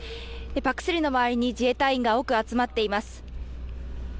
ＰＡＣ−３の周りに自衛隊員が多く集まっています。